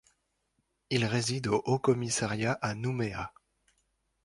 Il réside au Haut-Commissariat à Nouméa.